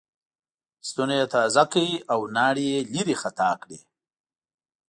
ستونی یې تازه کړ او لاړې یې لېرې خطا کړې.